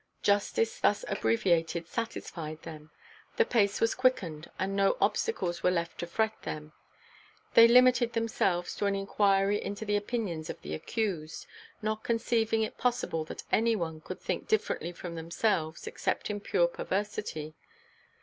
Justice thus abbreviated satisfied them; the pace was quickened, and no obstacles were left to fret them. They limited themselves to an inquiry into the opinions of the accused, not conceiving it possible that anyone could think differently from themselves except in pure perversity.